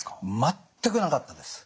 全くなかったです。